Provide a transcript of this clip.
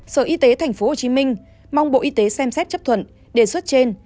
sở y tế tp hcm mong bộ y tế xem xét chấp thuận đề xuất trên